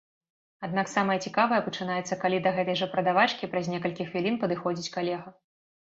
Аднак самае цікавае пачынаецца, калі да гэтай жа прадавачкі праз некалькі хвілін падыходзіць калега.